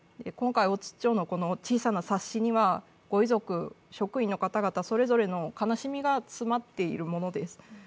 今回大槌町のこの小さな冊子にはご遺族、職員の方々のそれぞれの悲しみが詰まっているものです。